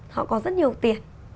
họ có rất nhiều tiền